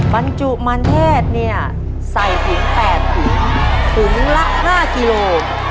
บรรจุมันเทศเนี่ยใส่ถึง๘ถุงถุงละ๕กิโล